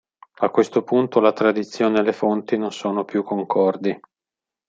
A questo punto la tradizione e le fonti non sono più concordi.